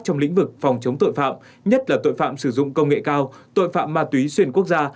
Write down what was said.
trong lĩnh vực phòng chống tội phạm nhất là tội phạm sử dụng công nghệ cao tội phạm ma túy xuyên quốc gia